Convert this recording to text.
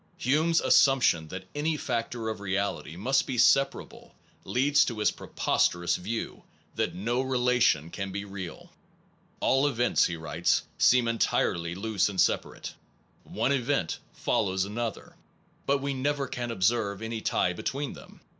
Hume s as sumption that any factor of reality must be separable, leads to his preposterous view, that no relation can be real. * All events, he writes, seem entirely loose and separate. One event follows another, but we never can observe any tie between them.